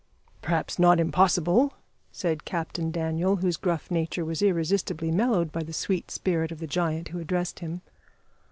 "Perhaps not impossible," said Captain Daniel, whose gruff nature was irresistibly mellowed by the sweet spirit of the giant who addressed him.